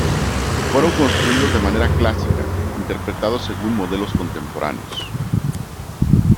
Fueron construidos de manera clásica interpretados según modelos contemporáneos.